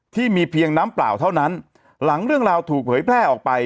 ที่มีเพียงน้ำเปล่าเท่านั้นหลังเรื่องราวถูกเผยแพร่ออกไป